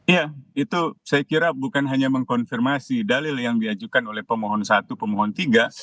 ya itu saya kira bukan hanya mengkonfirmasi dalil yang diajukan oleh pemohon satu pemohon tiga